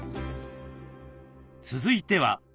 続いては。